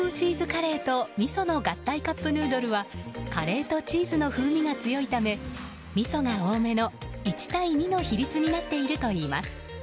カップヌードルはカレーとチーズの風味が強いため味噌が多めの１対２の比率になっているといいます。